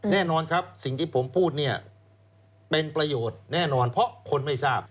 แน่นอนครับสิ่งที่ผมพูดเนี่ยเป็นประโยชน์แน่นอนเพราะคนไม่ทราบ